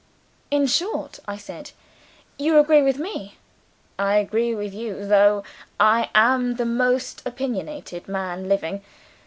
"In short," I said, "you agree with me?" "I agree with you though I am the most opinionated man living.